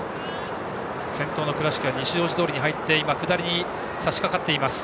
先頭の倉敷は西大路通に入って今、下りにさしかかっています。